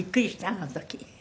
あの時。